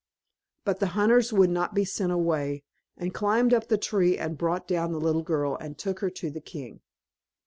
But the hunters would not be sent away, and climbed up the tree and brought down the little girl and took her to the king.